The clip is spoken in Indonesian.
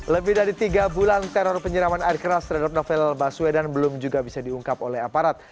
lebih dari tiga bulan teror penyeraman air keras terhadap novel baswedan belum juga bisa diungkap oleh aparat